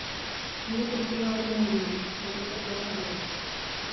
Nik eskema hori nahi dut komunikazioan ere bai.